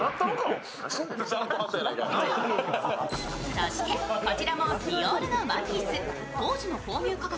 そしてこちらもディオールのワンピース。